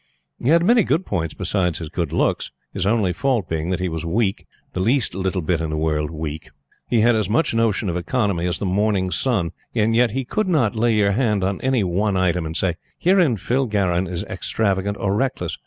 He had many good points besides his good looks; his only fault being that he was weak, the least little bit in the world weak. He had as much notion of economy as the Morning Sun; and yet you could not lay your hand on any one item, and say: "Herein Phil Garron is extravagant or reckless."